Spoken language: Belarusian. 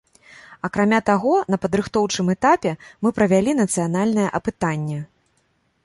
Акрамя таго, на падрыхтоўчым этапе мы правялі нацыянальнае апытанне.